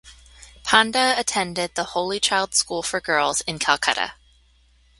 Panda attended the Holy Child School for Girls in Calcutta.